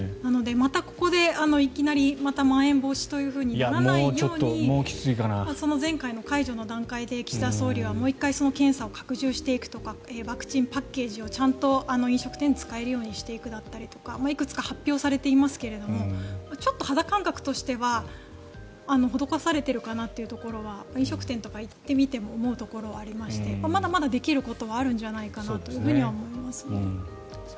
またここでいきなりまたまん延防止とならないように前回の解除の段階で岸田総理はもう一回、検査を拡充していくとかワクチンパッケージをちゃんと飲食店で使えるようにしていくだったりとかいくつか発表されていますがちょっと肌感覚としては施されているかなという感じは思うところはありましてまだまだできることはあるんじゃないかなと思います。